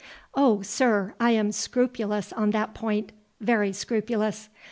"O, sir, I am scrupulous on that point—very scrupulous.